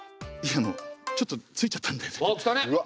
いやあのちょっとついちゃったんだよね。